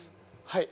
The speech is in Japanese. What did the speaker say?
はい。